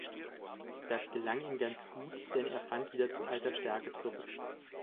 Das gelang ihm ganz gut, denn er fand wieder zu alter Stärke zurück.